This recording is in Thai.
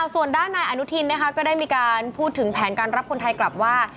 ส่วนด้านนายอนุทินก็ได้มีการพูดถึงแผนการรับคนไทยกลับว่า